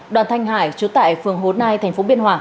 đoàn thanh hải trú tại phường hồ nai tp biên hòa